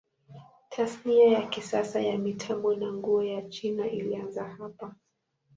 Tasnia ya kisasa ya mitambo na nguo ya China ilianza hapa.